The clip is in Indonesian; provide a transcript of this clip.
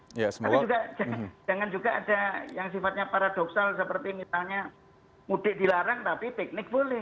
tapi juga jangan juga ada yang sifatnya paradoksal seperti misalnya mudik dilarang tapi piknik boleh